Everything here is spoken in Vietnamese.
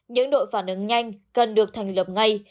những đội phản ứng nhanh cần được thành lập ngay